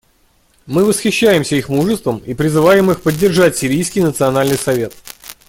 Мы восхищаемся их мужеством и призываем их поддержать Сирийский национальный совет.